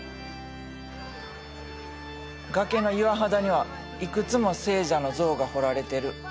崖の岩肌にはいくつも聖者の像が彫られてる。